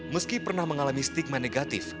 meski pernah mengalami stigma negatif